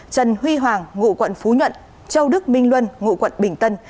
trần huy hoàng ngụ quận phú nhuận châu đức minh luân ngụ quận bình tân